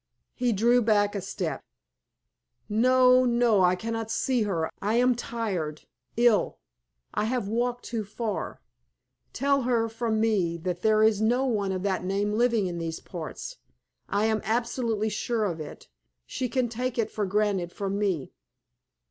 He drew back a step. "No! no! I cannot see her. I am tired ill. I have walked too far. Tell her from me that there is no one of that name living in these parts. I am absolutely sure of it. She can take it for granted from me."